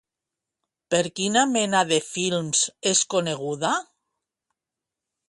Per quina mena de films és coneguda?